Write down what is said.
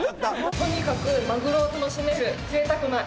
「とにかくマグロを楽しめるぜいたくな一品だと思います」